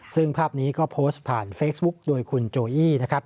ซึ่งภาพนี้ก็โพสต์ผ่านเฟซบุ๊กโดยคุณโจอี้นะครับ